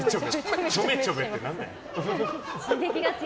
ちょめちょめってなんだよ。